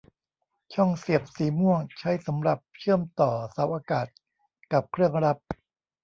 ช่องเสียบสีม่วงใช้สำหรับเชื่อมต่อเสาอากาศกับเครื่องรับ